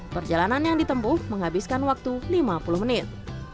perjalanan yang ditempuh menghabiskan waktu lima puluh menit